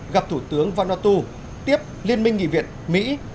gặp thủ tướng vanatu tiếp liên minh nghị viện mỹ